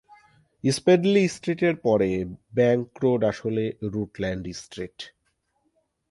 Smedley স্ট্রীটের পরে bank road আসলে রুটল্যান্ড স্ট্রিট।